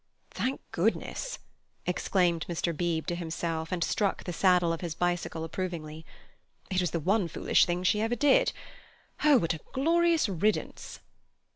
"Thank goodness!" exclaimed Mr. Beebe to himself, and struck the saddle of his bicycle approvingly, "It was the one foolish thing she ever did. Oh, what a glorious riddance!"